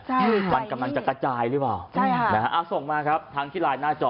ใช่ใกล้นี้มันกำลังจะกระจายหรือเปล่าส่งมาครับทั้งที่หน้าจอ